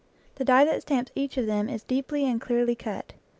The die that stamps each of them is deeply and clearly cut.